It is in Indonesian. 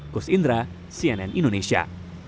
gus indra cnn indonesia